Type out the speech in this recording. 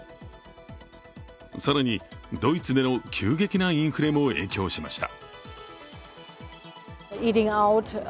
更に、ドイツでの急激なインフレも影響しました。